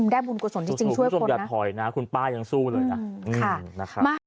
ได้บุญกฎสนที่จริงช่วยคนนะคุณป้ายังสู้เลยนะค่ะมา